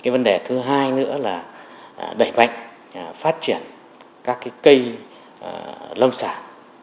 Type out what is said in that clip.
vấn đề thứ hai nữa là đẩy mạnh phát triển các cây lâm sản